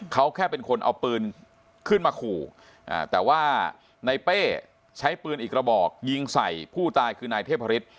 เขาแค่เป็นคนเอาปืนขึ้นมาขู่แต่ว่าในเป้ใช้ปืนอีกระบอกยิงใส่ผู้ตายคือนายเทพฤษ